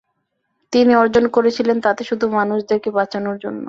তিনি অর্জন করেছিলেন তাতে শুধু মানুষদেরকে বাঁচানোর জন্য।